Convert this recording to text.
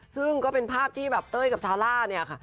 ซึ่งก็เป็นภาพที่แบบเต้ยกับซาร่าเนี่ยค่ะ